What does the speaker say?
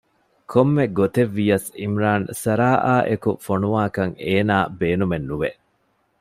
ކޮންމެ ގޮތެއްވިޔަސް ޢިމްރާން ސަރާއާއެކު ފޮނުވާކަށް އޭނާ ބޭނުމެއް ނުވެ